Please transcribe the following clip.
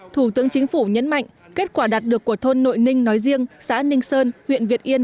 thủ tướng chính phủ nhấn mạnh kết quả đạt được của thôn nội ninh nói riêng xã ninh sơn huyện việt yên